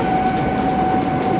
aku harus cari mereka